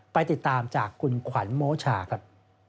ไปติดตามจากคุณขวัญโมชาครับ